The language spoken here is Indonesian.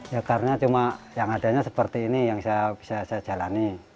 ya karena cuma yang adanya seperti ini yang bisa saya jalani